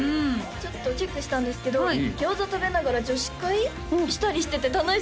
ちょっとチェックしたんですけど餃子食べながら女子会したりしてて楽しそうです